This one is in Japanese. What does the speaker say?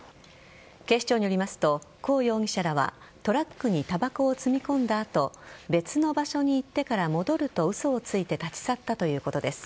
警視庁によりますとコウ容疑者らはトラックにたばこを積み込んだ後別の場所に行ってから戻ると嘘をついて立ち去ったということです。